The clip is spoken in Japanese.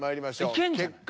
いけんじゃない？